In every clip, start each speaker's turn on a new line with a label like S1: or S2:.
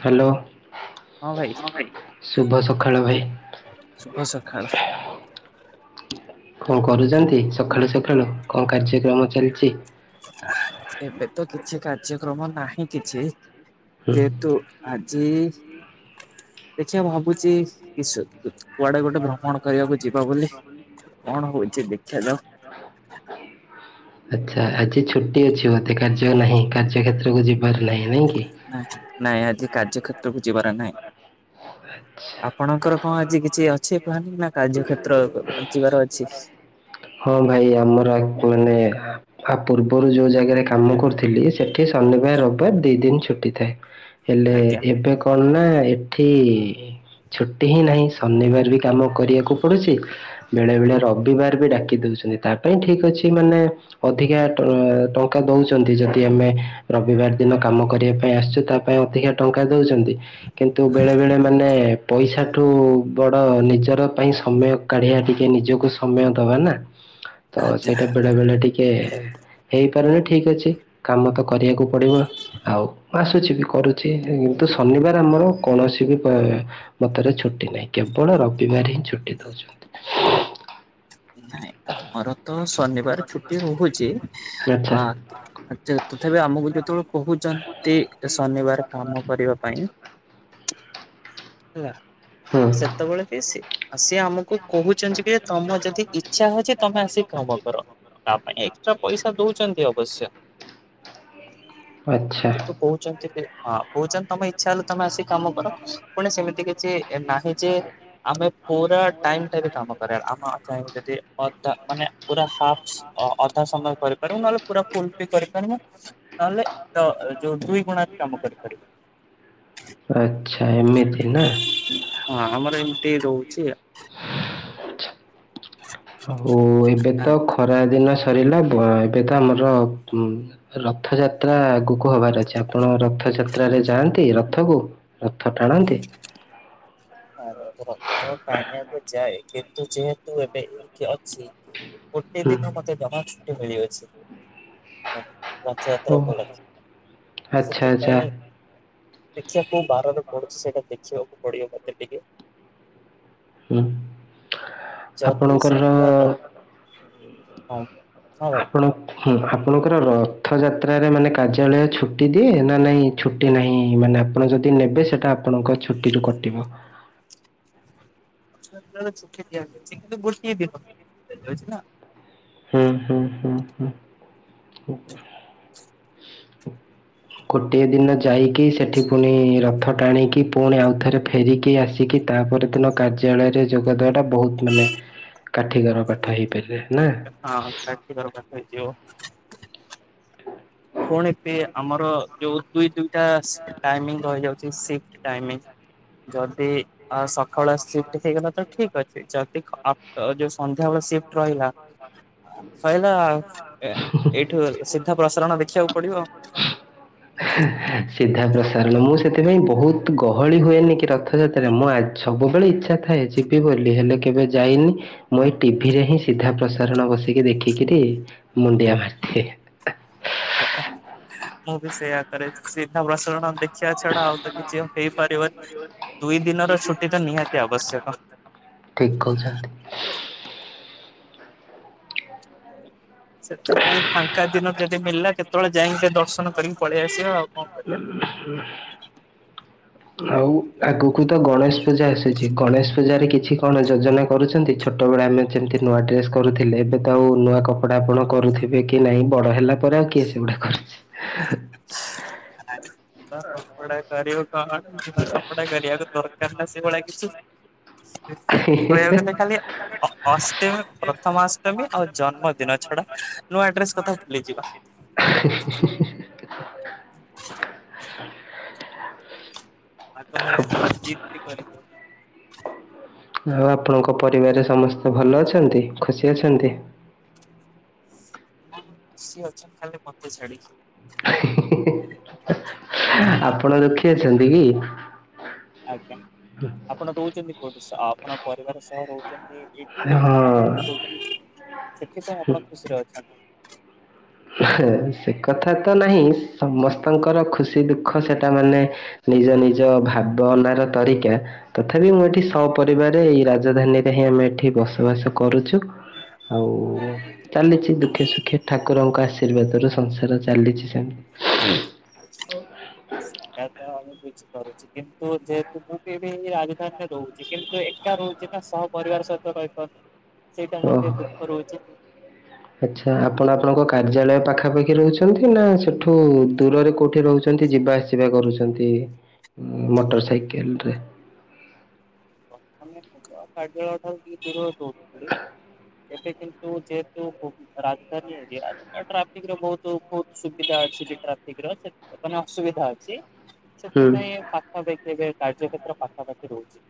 S1: Hello
S2: ହଁ ଭାଇ
S1: ଶୁଭ ସକାଳ ଭାଇ,
S2: ଶୁଭ ସଖାଳ।
S1: କଣ କରୁଛନ୍ତି ସକାଳୁ ସକାଳୁ କଣ କାର୍ଯ୍ୟକ୍ରମ ଚାଲିଚି।
S2: ଏବେ ତ କିଛି କାର୍ଯ୍ୟକ୍ରମ ନାହିଁ କିଛି
S1: ହୁଁ
S2: ସେହେତୁ ଆଜି ଦେଖିବା ହବ ଭାବୁଚି କି କୁଆଡେ ଗୋଟେ ଭ୍ରମଣ କରିବାକୁ ଯିବା ବୋଲି କଣ ହଉଚି ଦେଖିବା ହ
S1: ହ [inaudible] ଆଚ୍ଛା ଆଜି ଛୁଟି ଅଛି ବୋଧେ କାର୍ଯ୍ୟ ନାହିଁ କାର୍ଯ୍ୟ କ୍ଷେତ୍ରକୁ ଯିବାର ନାହିଁ ନାଇଁ କି?
S2: ନାଇଁ ଆଜି କାର୍ଯ୍ୟକ୍ଷେତ୍ରକୁ ଯିବାର ନାହିଁ
S1: ଆଚ୍ଛା।
S2: ଆପଣଙ୍କର? ହଁ ଆଜି କିଛି ଅଛି ପ୍ଲାନିଂ ନା କାର୍ଯ୍ୟ କ୍ଷେତ୍ର ଯିବାର ଅଛି।
S1: ହଁ ଭାଇ ଆମର ଆକଚୁଆଲି ଆଉ ପୂର୍ବରୁ ଯୋଉ ଜାଗାରେ କାମ କରୁଥିଲି ସେଠି ଶନିବାର ରବିବାର ଦି ଦିନ ଛୁଟି ଥାଏ। ହେଲେ
S2: ଆଜ୍ଞା
S1: ଏବେ କଣ ନା ଏଠି ଛୁଟି ହିଁ ନାହିଁ ଶନିବାର ବି କାମ କରିବାକୁ ପଡୁଛି ବେଳେବେଳେ ରବିବାର ବି ଡା ଦେଉଛନ୍ତି ତା ପାଇଁ ଠିକ ଅଛି ମାନେ ଅଧିକା ଟଙ୍କା ଦଉଛନ୍ତି ଯଦି ଆମେ ରବିବାର ଦିନ କାମ କରିବା ପାଇଁ ଆସିଛୁ ତା ପାଇଁ ଅଧିକା ଟଙ୍କା ଦଉଛନ୍ତି କିନ୍ତୁ ବେଳେ ବେଳେ ମାନେ ପଇସା ଠୁ ବଡ଼ ନିଜର ପାଇଁ ସମୟ କାଢ଼ିବା ଟିକେ ନିଜକୁ ସମୟ ଦବା ନା। ତ
S2: ଆଜ୍ଞା
S1: ସେଇଟା ବେଳେ ବେଳେ ଟିକେ ହେଇପାରୁନି। ଠିକ ଅଛି କାମ ତ କରିବାକୁ ପଡିବ ଆଉ ଆସୁଛି ବି କରୁଛି କିନ୍ତୁ ଶନିବାର ଆମ ଆମର କୌଣସି ବି ମତରେ ଛୁଟି ନାହିଁ କେବଳ ରବିବାର ହିଁ ଛୁଟି ଦଉଛନ୍ତି।
S2: ନାଇଁ
S1: [inaudible]
S2: ଆମର ତ ଶନିବାର ଛୁଟି ରହୁଛି
S1: ଆଚ୍ଛା
S2: ଆ ଆଛା ତଥାପି ଆମକୁ ଯେତେବେଳେ କହୁଛନ୍ତି ଏ ଶନି ଶନିବାରେ କାମ କରିବା ପାଇଁ ହେଲା।
S1: ହଁ
S2: ସେତେବେଳେ ବି ସେ ସିଏ ଆମକୁ କହୁଛନ୍ତି କି ତମ ଯଦି ଇଛା ଅଛି ତମେ ଆସି କାମ କର ତା ପାଇଁ ଏକ୍ସଟ୍ରା ପଇସା ଦଉଛନ୍ତି ଅବଶ୍ୟ।
S1: ଆଚ୍ଛା
S2: କିନ୍ତୁ କହୁଛନ୍ତି ଯେ ହଁ କହୁଛନ୍ତି ତମ ଇଚ୍ଛା ହେଲେ ତମେ ଆସି କାମ କର ପୁଣି ସେମିତି କିଛି ଏ ନାହିଁ ଯେ ଆମେ ପୁରା ଟାଇମ ଟା ବି କାମ କରିବା ଆମ ଯଦି ଅଧା ମାନେ ପୁରା ହାପସ୍ ଅଧା ସମୟ କରିପାରିବୁ ନହେଲେ ପୁରା ଫୁଲ ବି କରିପାରିବୁ। ନହେଲେ ତ ଯୋଉ ଦୁଇ ଗୁଣା ବି କାମ କରିପାରିବୁ।
S1: ଆଛା ଏମିତି ନା।
S2: ହଁ ଆମର ଏମିତି ରହୁଛି।
S1: ଆଉ ଏବେ
S2: ଆ
S1: ତ ଖରା ଦିନ ସ ସରିଲା ଏବେ ତ ଆମର ରଥଯାତ୍ରା ଆଗକୁ ହବାର ଅଛି ଆପଣ ରଥ ରଥଯାତ୍ରାରେ ଯାଆନ୍ତି ରଥକୁ ରଥ ଟାଣନ୍ତି।
S2: ରଥ ଟାଣିବାକୁ ଯାଏ କିନ୍ତୁ ଯେହେତୁ ଏବେ ଏଇଠି ଅଛି। ଗୋଟେ
S1: ହୁଁ
S2: ଦିନ ମତେ ଜମା ଛୁଟି ମିଳିଅଛି।
S1: ଓ
S2: ରଥଯାତ୍ରା ଉପଲକ୍ଷ
S1: ଆଚ୍ଛା ଆଚ୍ଛା
S2: ସେଥିପାଇଁ ଦେଖିବା କଉବାରରେ ପଡୁଛି ସେଟା ଦେଖିବାକୁ ପଡିବ ମତେ ଟିକେ।
S1: ହୁଁ।
S2: ଯଦି
S1: ଆପଣଙ୍କର
S2: ଶନିବାର ହଁ ହଁ ଭାଇ
S1: ଆପଣ ହୁଁ ଆପଣଙ୍କର ରଥଯାତ୍ରାରେ ମାନେ କାର୍ଯ୍ୟାଳୟ ଛୁଟି ଦିଏ ନା ନାହିଁ ଛୁଟି ନାହିଁ ମାନେ ଆପଣ ଯଦି ନେବେ ସେଟା ଆପଣଙ୍କ ଛୁଟିରୁୁ କଟିବ।
S2: ରଥଯାତ୍ରାରେ ଛୁଟି ଦିଆଯାଇଛି କିନ୍ତୁ ଗୋଟିଏ ଦିନ ଦିବାଝଛି ନା।
S1: ହୁଁ ହୁଁ ହଁ ହଁ। ଗୋଟିଏ ଦିନ ଯାଇକି ସେଠି ପୁଣି ରଥ ଟାଣିକି ପୁଣି ଆଉଥରେ ଫେରିକି ଆସିକି ତାପର ଦିନ କାର୍ଯ୍ୟାଳୟରେ ଯୋଗଦେବାଟା ବହୁତ ମାନେ କାଠିିକର ପାଠ ହେଇପାରିଲେ ନା?
S2: ହଁ କାଠୀକର ପାଠ ହେଇଥିବ। ପୁଣି ପିଏ ଆମର ଯୋଉ ଦୁଇ ଦୁଇଟା ଟାଇମିଂ ରହିଯାଉଛି ସିଫ୍ ଟାଇମିଂ। ଯଦି ଆ ସକାଳୁଆ ସିଫ୍ଟ ହେଇଗଲା ତ ଠିକ ଅଛି। ସେ ଯଦି ଯୋଉ ସନ୍ଧ୍ୟାବେେଳେ ସିଫ୍ଟ ରହିଲା। ଶଇଲା ଆଉ ଏ ଏଇଠୁ ସିଧା ପ୍ରସାରଣ ଦେଖି ଦେଖିବାକୁ ପଡିବ ଆଉ।
S1: ସିଧା ପ୍ରସାରଣ ମୁଁ ସେଥିପାଇଁ ବହୁତ ଗହଳି ହୁଏନି କି ରଥଯାତ୍ରାରେ ମୁଁ ସବୁବେଳେ ଇଚ୍ଛା ଥାଏ ଯିବି ବୋଲି ହେଲେ କେବେ ଯାଇନି ମୁଁ ଏ ଟିଭିରେ ହିଁ ସିଧା ପ୍ରସାରଣ ବସି ଟିକେ ଦେଖିକିରି ମୁଣ୍ଡିଆ ମାରି
S2: ଆଜ୍ଞା ମୁଁ ବି ସେଇୟା କରେ ସିଧା ପ୍ରସାରଣ ଦେଖି ତା ଛଡା ଆଉ ତ କିଛି ହେଇପାରିବନି ଦୁଇ ଦିନର ଛୁଟି ତ ନିହାତି ଆବଶ୍ୟକ।
S1: ଠିକ୍ କହୁଛନ୍ତି।
S2: ସେଥିପାଇଁ ଫାଙ୍କା ଦିନ ଯଦି ମିଳିଲା କେତେବେଳେ ଯାଇକି ଟିକେ ଦର୍ଶନ କରିକି ପଳେଇ ଆସିବା ଆଉ କଣ କରିବା।
S1: ଆଉ ଆଗକୁ ତ ଗଣେଶ ପୂଜା ଆସିଛି ଗଣେଶ୍। ପୂଜାରେ କିଛି କଣ ଯୋଜନା କରୁଛନ୍ତି ଛୋଟବେଳେ ଆମେ ଯେମିତି ନୂଆ ଡ୍ରେସ୍ କରୁଥିଲେ ଏବେ ତ ଆଉ ନୂଆ କପଡ଼ା ଆପଣ କରୁଥିବେ କି ନାଇଁ ବଡ ହେଲା ପରେ ଆଉ କିଏ ସେଗୁଡା କରୁଛି।
S2: କପଡା କରିବୁ କଣ କପଡା କରିବାକୁ ଦରକାର ନା ସେଭଳିଆ କିଛି। କହିବା ଗଲେ ଖାଲି ଅଷ୍ଟମୀ ପ୍ରଥମାଷ୍ଟମୀ ଆଉ ଜନ୍ମଦିନ ଛଡା ନୂଆ ଡ୍ରେସ୍ କଥା ଭୁଲିଯିବା।
S1: [inaudible]
S2: ଆଗ ଭଳିଆ ତ ଆଉ ଜିଦ୍ ବି କରିହେବନି।
S1: ଆଉ ଆପଣଙ୍କ ପରିବାରରେ ସମସ୍ତେ ଭଲ ଅଛନ୍ତି ଖୁସି ଅଛନ୍ତି। [inaudible]
S2: ଖୁସି ଅଛନ୍ତି ଖାଲି ମତେ ଛାଡି କି।
S1: ଆପଣ ଦୁଃଖୀ ଅଛନ୍ତି କି?
S2: ଆଜ୍ଞା ଆପଣ ରହୁଛନ୍ତି କୋଉଠି ସହ ଆପଣ ପରିବାର ସହ ରହୁଛନ୍ତି। ଏଇଠୁ ଏ
S1: ହଁ
S2: ମାନେ ଆପଣ ଯୋଉ କହୁଛନ୍ତି ସେଥିପାଇଁ ଆପଣ ଖୁସିରେ ଅଛନ୍ତି।
S1: ସେ କଥା ତ ନାହିଁ ସମସ୍ତଙ୍କର ଖୁସି ଦୁଃଖ ସେଟା ମାନେ ନିଜ ନିଜ ଭାବନାର ତରିକା ତଥାପି ମୁଁ ଏଠି ସପରିବାର ଏଇ ରାଜଧାନୀରେ ହିଁ ଆମେ ଏଠି ବସବାସ କରୁଛୁ ଆଉ ଚାଲିଛି ଦୁଃଖେ ସୁଖେ ଠାକୁର ଆଶୀର୍ବାଦ ରୁ ସଂସାର ଚାଲିଛି ସେମିତି।
S2: ସେଇଟା ତ ଆମେ କିନ୍ତୁ ଯେହେତୁ ମୁଁ ବି ଏବେ ଏ ରାଜଧାନୀରେ ରହୁଛି କିନ୍ତୁ ଏକା ରହୁଛି ନା ସହ ପରିବାର ସହିତ ରହିପାରୁନି। ସେଇଟା ମୋର ଟିକେ
S1: ଓହୋ
S2: ଦୁଃଖ ରହୁଛି।
S1: ଆଚ୍ଛା ଆପଣ ଆପଣଙ୍କ କାର୍ଯ୍ୟାଳୟ। ପାଖାପାଖି ରହୁଛନ୍ତି ନା ସେଠୁ ଦୂରରେ କୋଉଠି ରହୁଛନ୍ତି ଯିବା ଆସିବା କରୁଛନ୍ତି। ମୋଟର ସାଇକେଲ୍ ରେ।
S2: ଆମେ ମୁଁ ତ କାର୍ଯ୍ୟାଳୟ ଠାରୁ ଟିକେ ଦୂର ରହୁଛୁ। ଏବେ କିନ୍ତୁ ଯେହେତୁ ରାଜଧାନୀ ଏରିଆ ଟ୍ରାଫିକ୍ ର ବହୁତ ବହୁତ ସୁବିଧା ଅଛି ଟ୍ରାଫିକ୍ ର ମାନେ ସୁବିଧା ଅଛି
S1: ହୁଁ
S2: ସେଥିପାଇଁ ପାଖାପାଖି ଏବେ କାର୍ଯ୍ୟ କ୍ଷେତ୍ର ପାଖାପାଖି ରହୁଛି।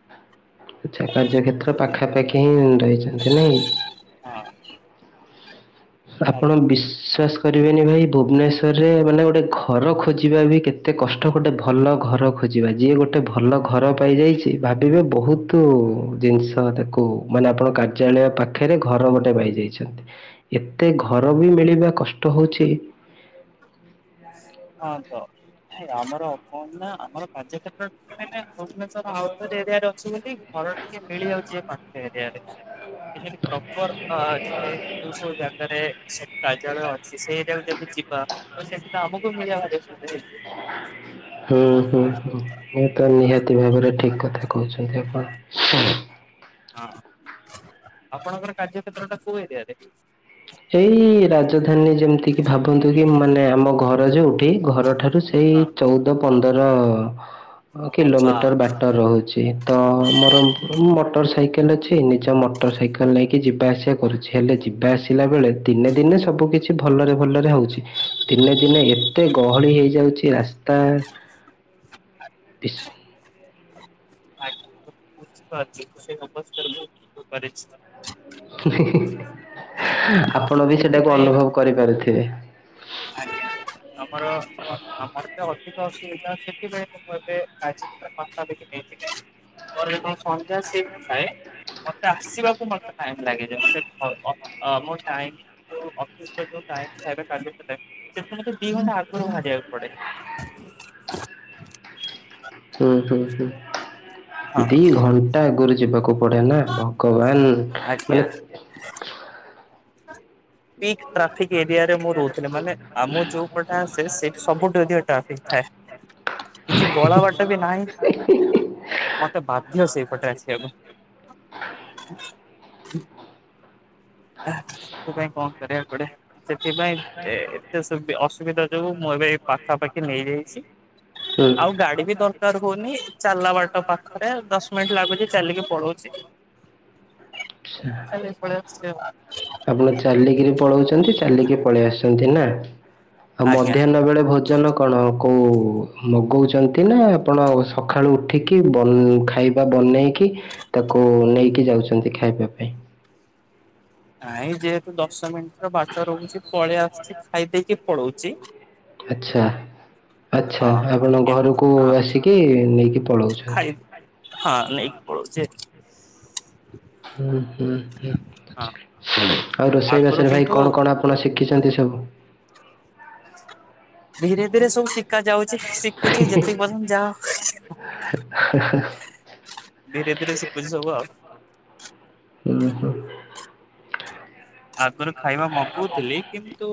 S1: ଆଚ୍ଛା କାର୍ଯ୍ୟ କ୍ଷେତ୍ର
S2: ଯେମିତି
S1: ପାଖାପାଖି ହିଁ ରହିଛନ୍ତି ନାଇଁ କି?
S2: ହଁ
S1: ଆପଣ
S2: ଆଜ୍ଞା
S1: ବିଶ୍ଵାସ କରିବେନି ଭାଇ ଭୁବନେଶ୍ୱର ରେ ମାନେ ଗୋଟେ ଘର ଖୋଜିବା ବି କେତେ କଷ୍ଟ ଗୋଟେ ଭଲ ଘର ଖୋଜିବା ଯିଏ ଗୋଟେ ଭଲ। ଘର ପାଇ ଯାଇଛି ଭାବିବେ ବହୁତ ଜିନିଷ ତାକୁ ମାନେ ଆପଣ କାର୍ଯ୍ୟାଳୟ ପାଖରେ ଘର ଗୋଟେ ପାଇଯାଇଛନ୍ତି। ଏତେ ଘର ବି ମିଳିବା କଷ୍ଟ ହଉଛି।
S2: ହଁ ତ। ନାଇଁ ଆମର ଅପର ନା ଆମର କାର୍ଯ୍ୟ କ୍ଷେତ୍ର ମାନେ ଭୁବନେଶ୍ୱର ଆଉଟର ଏରିଆରେ ଅଛି ବୋଲି ମୋର ଟିକେ ମିଳିଯାଉଛି ଏ ପାଖ ଏରିଆରେ। ଏ ପ୍ରପର ଯିବେ ଏ ସବୁ ଜାଗାରେ ସବୁ କାର୍ୟାଳୟ ଅଛି ସେଟାକୁ ଯଦି ଯିବା ତ ସେଠି ତ ଆମକୁ ମିଳିବାର ସୁବିଧା ହେଇଯିବ।
S1: ହୁଁ ହୁଁ ହୁଁ ଏ ତ ନିହାତି ଭାବରେ ଠିକ କଥା କହୁଛନ୍ତି ଆପଣ।
S2: ଆଜ୍ଞା ହଁ ଆପଣଙ୍କର କାର୍ଯ୍ୟକ୍ଷେତ୍ର ଟା କୋଉ ଏରିିଆରେ?
S1: ଏଇ ରାଜଧାନୀ ଯେମିତି କିି ଭାବନ୍ତୁ କି ମାନେ ଆମ ଘର ଯୋଉଠି ଘରଠାରୁ ସେଇ
S2: ହଁ
S1: ଚଉଦ ପନ୍ଦର
S2: ହବା
S1: କିଲୋମିଟର ବାଟ ରହୁଛି ତ ମୋର ମୋଟର ସାଇକେଲ୍ ଅଛି ନିଜ ମୋଟର ସାଇକେଲ ନେଇକି ଯିବା ଆସିବା କରୁଛି ହେଲେ ଯିବା ଆସିବା ଥିଲା ବେଳେ ଦିନେ ଦିନେ ସବୁ କିଛି ଭଲରେ ଭଲରେ ହଉଛି ଦିନେ ଦିନେ ଏତେ ଗହଳି ହେଇଯାଉଛି। ରାସ୍ତା।
S2: [unintelligible]
S1: ଆପଣ ବି ସେଟାକୁ
S2: ସେଥିପାଇଁ ଏବେ
S1: ଅନୁଭବ କରିପାରୁଥିବେ।
S2: ଆଜ୍ଞା ଆମର ମତେ
S1: [inaudible]
S2: ଅଧିକ ଅସୁବିଧା ସେଥିପାଇଁ ମୁ ମୁଁ ଏବେ କଯ୍ୟ ରପାଖି ନେଇଥିଲି। ପରେ ସନ୍ଧ୍ୟା ସେ ଇଟି ଥାଏ। ମତେ ଆସିବାକୁ ମତେ ଟାଇମ ଲାଗେଛି ମତେ ମୋ ଟାଇ ଅଫିସ ର ଯୋଉ। ଟାଇମ ସାଢେ କାଯ୍ୟ କାରି ସେଥିରୁ ମେତେ ଦି ଘଣ୍ଟା ଆଗରୁ ବାହାରିବାକୁ ପଡେ।
S1: ହୁଁ ହୁଁ ହୁଁ
S2: ହଁ
S1: ଦି ଘଣ୍ଟା ଆଗରୁ ଯିବାକୁ ପଡେ ନା ଭଗବାନ
S2: ଆଜ୍ଞା।
S1: ମାନେ
S2: ପିକ୍ ଟ୍ରାଫିକ ଏରିଆରେ ମୁଁ ରହୁଥିଲି ମାନେ ଆମ ଯୋଉ ପଟା ଆସେ ସେଇଠି ସବୁଠୁ ଅଧିକ ଟ୍ରାଫିକ୍ ଥାଏ।
S1: [unintelligible]
S2: କିଛି ଗଳା ବାଟ ବି ନାହିଁ
S1: ମଟ ମର
S2: ମତେ ବାଧ୍ୟ
S1: ସେଇ
S2: ସେଇପଟେ ଆସିବାକୁ
S1: ପଟେ ଆସିବାକୁ ପଡେ।
S2: ସେଥିପାଇଁ କଣ କରିବା ପଡେ? ସେଥିପାଇଁ ଏତେ ଅସୁବିଧା ଯୋଗୁ ମୁଁ ଏବେ ପାଖାପାଖି ନେଇଯାଇଛି।
S1: ହୁଁ
S2: ଆଉ ଗାଡି ବି ଦରକାର ହଉନି ଚାଲା ବାଟ ପାଖରେ ଦଶ ମିନିଟ ଲାଗୁଛି ଚାଲିକି ପଳଉଛି।
S1: ହଁ।
S2: ଖାଇଦେଇ କି ପଲଇ ଆସୁଚି ଆଉ।
S1: ଆପଣ ଚାଲିକିରି ପଳଉଛନ୍ତି ଚାଲିକି ପଳେଇ ଆସୁଛନ୍ତି ନା? ଆଉ
S2: ଆଜ୍ଞା।
S1: ମଧ୍ୟାହ୍ନ ବେଳେ ଭୋଜନ କଣ? କୋଉ ମଗଉଛନ୍ତି ନା ଆପଣ ସକାଳୁ ଉଠିକି ଖାଇବା ବନେଇକି? ତାକୁ ନେଇକି ଯାଉଛନ୍ତି ଖାଇବା ପାଇଁ।
S2: ନାଇଁ ଯେହେତୁ ଦଶ ମିନିଟ ର ବାଟ ରହୁଛି ପଳେଇ ଆସଛି ଖାଇ ଦେଇେଇକି ପଳଉଛି।
S1: ଆଛା ଆଚଛା
S2: ହଁ।
S1: ଆପଣ
S2: କିନ୍ତୁ
S1: ଘରକୁ
S2: ହଁ
S1: ଆସିକି ନେଇକି ପଳାଉଛନ୍ତି।
S2: ନ ପଳଛ [unintelligible]
S1: ହଁ ହୁଁ ହୁଁ, ଆଉ ରୋଷେଇ
S2: ଆଗରୁ
S1: ବାସରେ ଭାଇ
S2: କିନ୍ତୁ
S1: କଣ କଣ ଆପଣ ଶ? ଶିଖିଛନ୍ତି ସବୁ
S2: ଧୀରେ, ଧୀରେ, ସବୁ ଶିକ ଶା ଯାଉଛି ଶିଖୁଛି, ଯେତିକି
S1: ହୁଁ
S2: ପର୍ଯ୍ୟନ୍ତ ଯା ଧୀରେ ଧୀରେ ଶିଖୁଛି ସବୁ, ଆଉ
S1: ହୁ ହୋ
S2: ଆଗରୁ ଖାଇବା ମଗଉଥିଲି କିନ୍ତୁ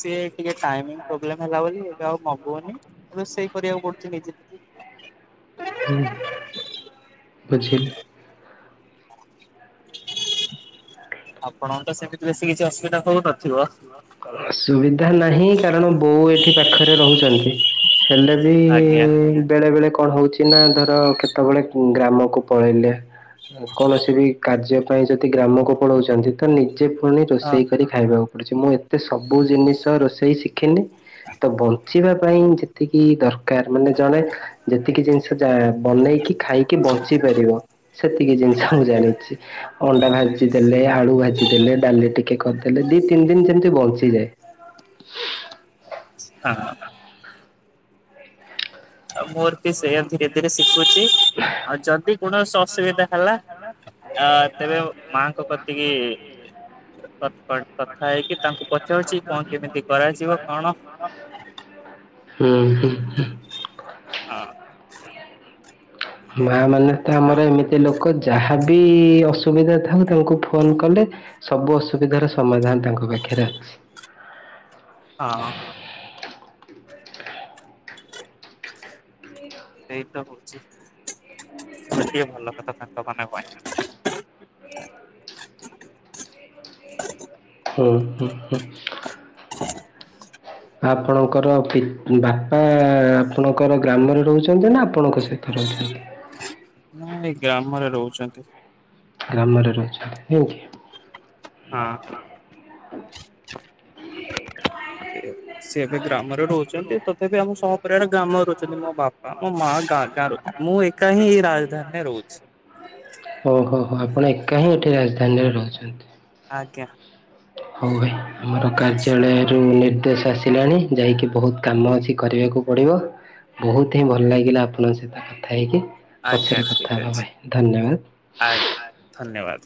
S2: ସେ ଟାଇମ ପ୍ରୋବ୍ଲେମ୍ ହେଲା ବୋଲି ଏବେ ଆଉ ହୁହନିବେ ସେଇ କରିବାକୁ ପଡୁଛି ନିଜେ ନି
S1: ହଁ ବୁଝିଲି।
S2: ଆପଣଙ୍କ ତ ସେମିତି ବେଶୀ କିଛି ଅ
S1: ସୁବିଧା ନାହିଁ କାରଣ -ବୋଉ ଏଠି ପାଖରେ ରହୁଛନ୍ତି ହେଲେ ବି,
S2: ଆଜ୍ଞା
S1: ବେଳେ ବେଳେ କଣ ହଉଛି ନା- ଧର କେତେବେଳେ ଗ୍ରାମକୁ ପଳେଇଲେ କୌଣସି ବି କାର୍ଯ୍ୟ ପାଇଁ ଯଦି ଗ୍ରାମକୁ ପଳାଉଛନ୍ତି ତ ନିଜେ ପୁଣି
S2: ହଁ
S1: ରୋଷେଇ କରି ଖାଇବାକୁ ପଡୁଛି, ମୁଁ ଏତେ ସବୁ ଜିନିଷ ରୋଷେଇ ଶିଖିନି ତ ବଞ୍ଚିବା ପାଇଁ ଯେତିକି ଦରକାର ମାନେ ଜଣେ ଯେତିକି ଜିନିଷ ଯ ବନେଇକି ଖାଇକି ବଞ୍ଚି ପାରିବ। ସେତିକି ଜିନିଷ ମୁଁ
S2: ଆଜ୍ଞା
S1: ଜାଣିଛି। ଅଣ୍ଡା ଭାଜିଦେଲେ, ଆଳୁ ଭାଜି ଦେଲେ, ଡାଲି ଟିକେ କରିଦେ ଦେଲେ, ଦି ତିନି ଦିନ ଯେମିତି ବଞ୍ଚିଯାଏ।
S2: ହଁ ଉ ମୋର ପି ସେ ଧୀରେ ଧୀରେ ଶିଖୁଛି। ଆଉ ଯଦି
S1: ଆ
S2: କୌଣସି
S1: କଣ
S2: ଅସୁବିଧା ହେଲା
S1: ତ
S2: ଆ
S1: ହେଲା
S2: ତେବେ
S1: ସେ
S2: ମାଙ୍କ
S1: ମାଙ୍କି
S2: କତିକି
S1: [unintelligible]
S2: କଥା ହେଇକି ତାଙ୍କୁ ପଚାରୁଛି, କଣ କେମିତି କରାଯିବ କଣ?
S1: ହୁଁ ହଁ
S2: ହଁ
S1: ମା
S2: ସେମିତି
S1: ମାନେ ତ
S2: କରୁଛି ଆଉ
S1: ଆମର ଏମିତି ଲୋକ, ଯାହା ବି ଅସୁବିଧା ଥାଉ, ତାଙ୍କୁ ଫୋନ୍ କଲେ ସବୁ ଅସୁବିଧାର ସମାଧାନ ତାଙ୍କ ପାଖରେ
S2: ହଁ
S1: ହ [unintelligible]
S2: ସେଇ ତ ହଉଛି ଟିକେ ଭଲ ଲ କଥା ତ କ
S1: [unintelligible] ହୁଁ ହୁଁ ହୁଁ ଆପଣଙ୍କର ବାପା, ଆପଣଙ୍କର ଗ୍ରାମରେ ରହୁଛନ୍ତି ନା ଆପଣଙ୍କ ସହିତ? ରଛି [unintelligible]
S2: ନାଇଁ ଗ୍ରାମରେ ରହୁଛନ୍ତି।
S1: ଗ୍ରାମରେ ରହୁଛନ୍ତି
S2: ହଁ
S1: [unintelligible]
S2: ସେ ଏବେ ଗ୍ରାମରେ ରହୁଛନ୍ତି ତଥାପି ଆମ ସହପରିବାର ଗ୍ରାମ ରହୁଛନ୍ତି ମୋ ବାପା, ମୋ ମା, ଗାଁ ଗାଁ ରହୁଛନ୍ତି ମୁଁ ଏକା ହିଁ ଏଇ ରାଜଧାନୀରେ ରହୁଛି।
S1: ଓହୋ ହୋ ଆପଣ ଏକା ହିଁ ଏଠି ରାଜଧାନୀରେ ରହୁ ଛନ୍ତି।
S2: ଆଜ୍ଞା।
S1: ହଉ ଭାଇ ଆମର କାର୍ଯ୍ୟାଳୟରୁ ନିର୍ଦ୍ଦେଶ ଆସିଲାଣି ଯାଇକି ବହୁତ କାମ ଅଛି କରିବାକୁ ପଡିବ। ବହୁତ ହିଁ ଭଲ ଲାଗିଲା ଆପଣଙ୍କ ସହିତ କଥା ହେଇକି।
S2: ଆଜ୍ଞା
S1: ପଛରେ
S2: ଠିକ
S1: କଥା ହବା
S2: ଅଛି
S1: ଭାଇ ଧନ୍ୟବାଦ।
S2: ଆଜ୍ଞା ଧନ୍ୟବାଦ।